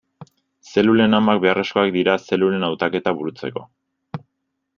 Zelulen amak beharrezkoak dira zelulen hautaketa burutzeko.